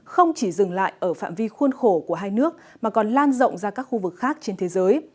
không chỉ dừng lại ở phạm vi khuôn khổ của hai nước mà còn lan rộng ra các khu vực khác trên thế giới